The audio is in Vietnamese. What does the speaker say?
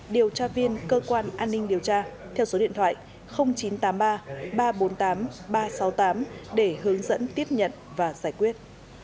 điều tra viên cơ quan an ninh điều tra theo số điện thoại chín trăm tám mươi ba ba trăm bốn mươi tám ba trăm sáu mươi tám để hướng dẫn tiếp nhận và giải quyết